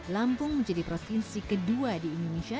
lampung menjadi provinsi kedua di indonesia